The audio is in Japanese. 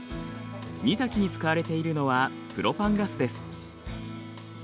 煮炊きに使われているのはプロパンガスです。